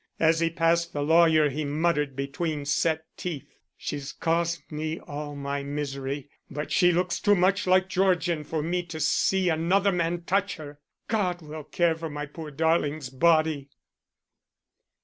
As he passed the lawyer he muttered between set teeth: "She's caused me all my misery. But she looks too much like Georgian for me to see another man touch her. God will care for my poor darling's body."